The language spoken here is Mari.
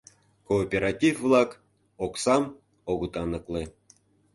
КООПЕРАТИВ-ВЛАК ОКСАМ ОГЫТ АНЫКЛЕ